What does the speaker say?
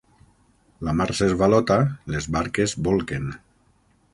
La mar s'esvalota, les barques bolquen.